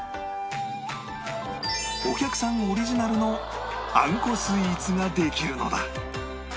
お客さんオリジナルのあんこスイーツができるのだ